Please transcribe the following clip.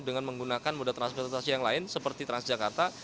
dengan menggunakan moda transportasi yang lain seperti transjakarta